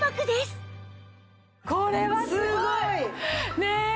これはすごい！ねえ。